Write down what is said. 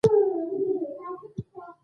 • په کنفوسیوس کې ظاهراً غیرمتعارف څه نهو.